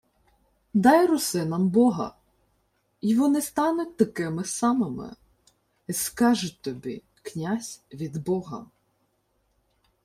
— Дай русинам бога — й вони стануть такими самими. Й скажуть тобі: «Князь — від бога».